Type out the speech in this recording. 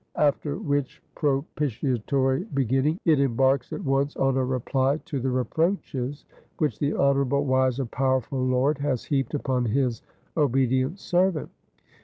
After which propitiatory beginning it embarks at once on a reply to the reproaches which the honorable, wise, and powerful Lord has heaped upon his obedient servant.